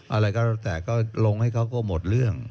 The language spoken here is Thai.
อะไรก็ตัวลองให้เขาก็หมดเรื่อง